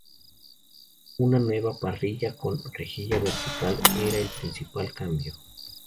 Una nueva parrilla con rejilla vertical era el principal cambio.